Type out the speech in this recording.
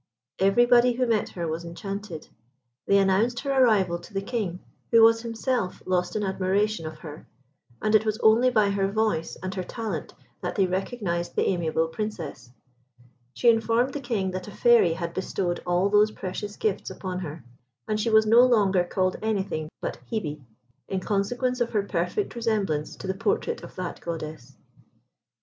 Everybody who met her was enchanted. They announced her arrival to the King, who was himself lost in admiration of her, and it was only by her voice and her talent that they recognised the amiable Princess. She informed the King that a Fairy had bestowed all those precious gifts upon her; and she was no longer called anything but Hebe, in consequence of her perfect resemblance to the portrait of that Goddess.